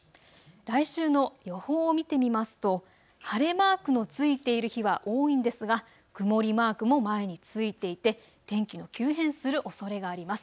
来週の予報を見てみますと晴れマークのついている日は多いんですが曇りマークも前についていて天気の急変するおそれがあります。